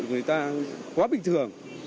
một mươi triệu người ta quá bình thường